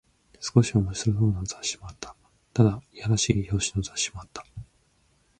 少し面白そうな雑誌もあった。ただ、いやらしい表紙の雑誌もあった。